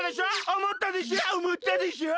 おもったでしょ？